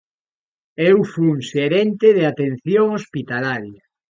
Eu fun xerente de atención hospitalaria.